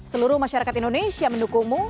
seluruh masyarakat indonesia mendukungmu